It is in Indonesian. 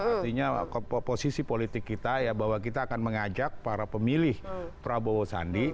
artinya posisi politik kita ya bahwa kita akan mengajak para pemilih prabowo sandi